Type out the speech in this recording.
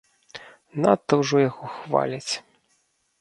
Надта ўжо яго хваляць.